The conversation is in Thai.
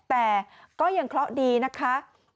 แต่ก็ยังเคราะห์ดีนะคะ